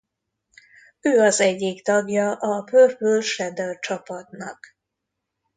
Ő az egyik tagja a Purple Shadow csapatnak.